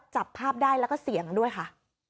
จับภาพได้แล้วก็เสียงด้วยค่ะ